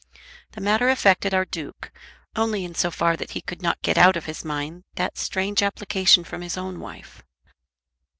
The matter affected our Duke, only in so far that he could not get out of his mind that strange application from his own wife.